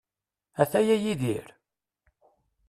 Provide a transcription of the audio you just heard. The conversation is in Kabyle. Ataya Yidir?